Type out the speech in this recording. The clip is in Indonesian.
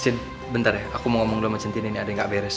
cintin bentar ya aku mau ngomong dulu sama cintin ini ada yang gak beres